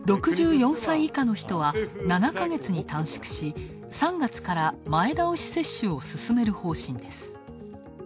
６４歳以下の人は７か月に短縮し３月から前倒し接種を進める方針です。